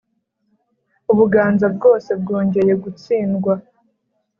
u Buganza bwose bwongeye gutsindwa